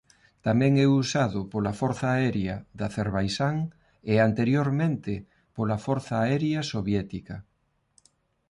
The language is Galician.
Tamén é usado pola Forza Aérea de Acerbaixán e anteriormente pola Forza Aérea Soviética.